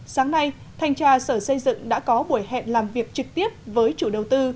sáng nay thanh tra sở xây dựng đã có buổi hẹn làm việc trực tiếp với chủ đầu tư